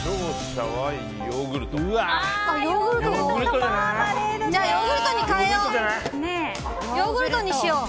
じゃあヨーグルトに変えよう。